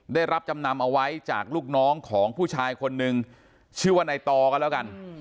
ได้รับจำนำเอาไว้จากลูกน้องของผู้ชายคนนึงชื่อว่าในต่อกันแล้วกัน